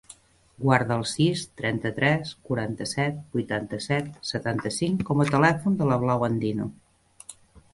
Guarda el sis, trenta-tres, quaranta-set, vuitanta-set, setanta-cinc com a telèfon de la Blau Andino.